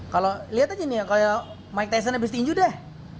kalau lihat aja nih ya kayak mike tyson abis tinju deh